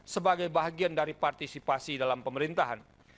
sebagai bagian dari partisipasi dalam pemerintahan